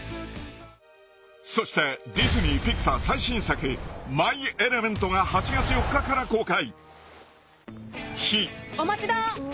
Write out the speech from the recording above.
［そしてディズニーピクサー最新作『マイ・エレメント』が８月４日から公開］